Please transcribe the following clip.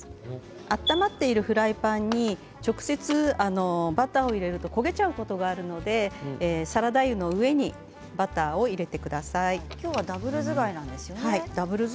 温まっているフライパンに直接バターを入れると焦げちゃうことがあるのでサラダ油の上に今日はダブル使いなんです。